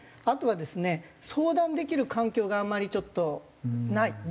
あとはですね相談できる環境があんまりちょっとない。